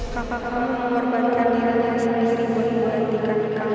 kapan kamu mengorbankan dirinya sendiri untuk menggantikan kamu